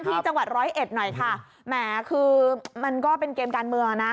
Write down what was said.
ที่จังหวัดร้อยเอ็ดหน่อยค่ะแหมคือมันก็เป็นเกมการเมืองอ่ะนะ